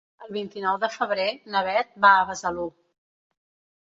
El vint-i-nou de febrer na Beth va a Besalú.